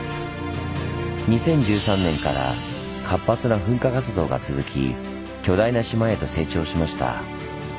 ２０１３年から活発な噴火活動が続き巨大な島へと成長しました。